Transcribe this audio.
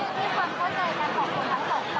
คุณผู้สามารถได้คิดคุณผู้สามารถได้คิด